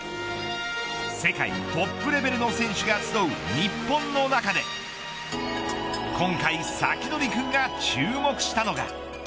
世界トップレベルの選手が集う日本の中で今回サキドリくんが注目したのが。